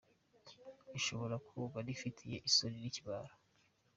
bishobora ! Ndumva nifitiye isoni n’ikimwaro….